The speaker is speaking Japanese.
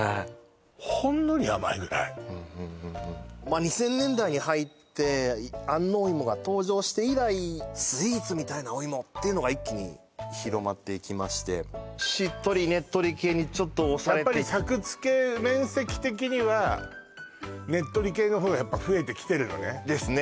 ２０００年代に入って安納芋が登場して以来スイーツみたいなお芋っていうのが一気に広まっていきましてしっとりねっとり系にちょっと押されてやっぱり作付面積的にはねっとり系の方がやっぱ増えてきてるのねですね